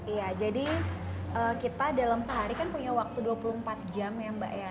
iya jadi kita dalam sehari kan punya waktu dua puluh empat jam ya mbak ya